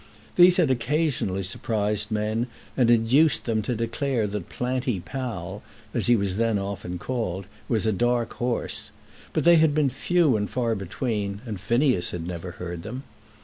These had occasionally surprised men and induced them to declare that Planty Pall, as he was then often called, was a dark horse. But they had been few and far between, and Phineas had never heard them.